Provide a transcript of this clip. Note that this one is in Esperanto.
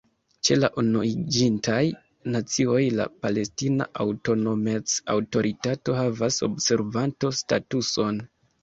Ĉe la Unuiĝintaj Nacioj la Palestina Aŭtonomec-Aŭtoritato havas observanto-statuson.